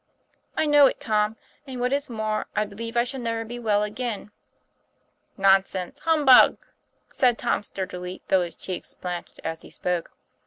'I know it, Tom; and, what is more, I believe I shall never be well again." ' Nonsense! Humbug!" said Tom sturdily, though his cheek blanched as he spoke.